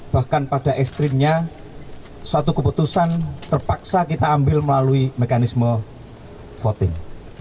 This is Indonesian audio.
bahkan pada ekstrimnya suatu keputusan terpaksa kita ambil melalui mekanisme voting